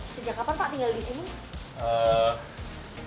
sejak kapan pak tinggal di sini